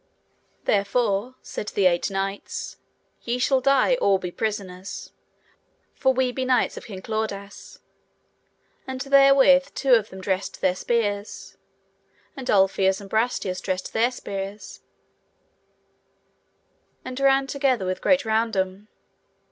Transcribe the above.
Therefore, said the eight knights, ye shall die or be prisoners, for we be knights of King Claudas. And therewith two of them dressed their spears, and Ulfius and Brastias dressed their spears, and ran together with great raundon.